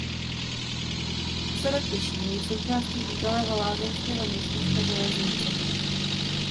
Osada Těšín je součástí bývalého lázeňského městečka Železnice.